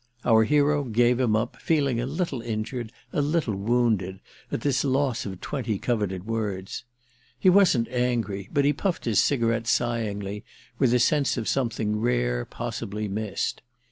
Our hero gave him up, feeling a little injured, a little wounded, at this loss of twenty coveted words. He wasn't angry, but he puffed his cigarette sighingly, with the sense of something rare possibly missed.